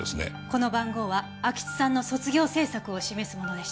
この番号は安芸津さんの卒業制作を示すものでした。